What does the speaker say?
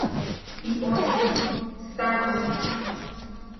І ось — сталося!